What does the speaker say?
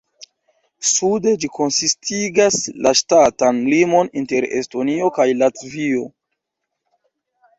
Sude ĝi konsistigas la ŝtatan limon inter Estonio kaj Latvio.